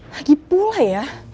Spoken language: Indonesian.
lagi pula ya